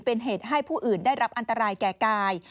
เป็นเหตุให้ผู้อื่นได้รับอันตรายแก่กาย